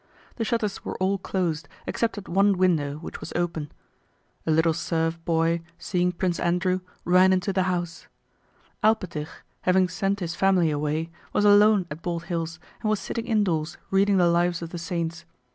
The shutters were all closed, except at one window which was open. A little serf boy, seeing Prince Andrew, ran into the house. Alpátych, having sent his family away, was alone at Bald Hills and was sitting indoors reading the Lives of the Saints.